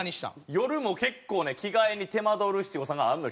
夜も結構ね着替えに手間取る七五三があるのよ。